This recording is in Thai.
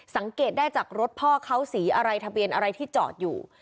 สังเกตได้จากรถพ่อเขาสีอะไรทะเบียนอะไรที่จอดอยู่